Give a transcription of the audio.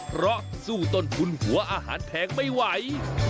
เพราะสู้ต้นทุนหัวอาหารแพงไม่ไหว